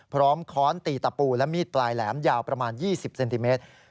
ค้อนตีตะปูและมีดปลายแหลมยาวประมาณ๒๐เซนติเมตร